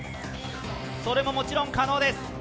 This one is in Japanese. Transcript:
それももちろん可能です。